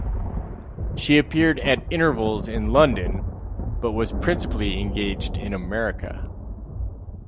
She appeared at intervals in London, but was principally engaged in America.